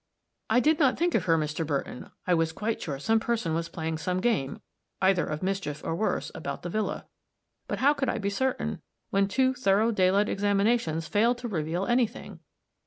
"I did not think of her, Mr. Burton; I was quite sure some person was playing some game, either of mischief or worse, about the villa; but how could I be certain, when two thorough daylight examinations failed to reveal any thing?